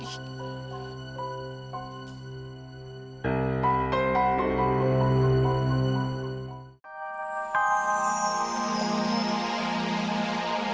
aku mau ke rumah kumohon